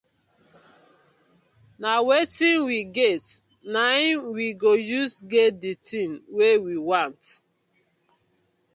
Na wetin we get naim we go use get di tin wey we want.